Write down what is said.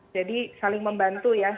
jadi saling membantu ya